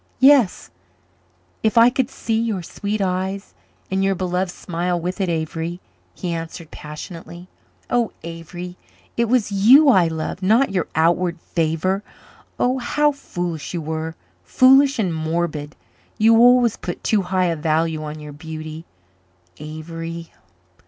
"Yes if I could see your sweet eyes and your beloved smile with it, Avery," he answered passionately. "Oh, Avery, it was you I loved not your outward favor. Oh, how foolish you were foolish and morbid! You always put too high a value on beauty, Avery.